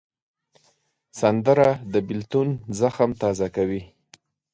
سندره د بېلتون زخم تازه کوي